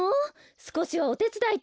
すこしはおてつだいとか。